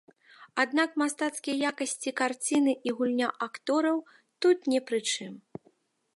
Аднак мастацкія якасці карціны і гульня актораў тут не пры чым.